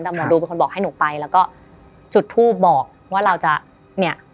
ตำรวจดูเป็นคนบอกให้หนูไปแล้วก็จุดทูบบอกว่าเราจะเนี่ย